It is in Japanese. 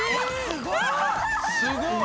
すごい！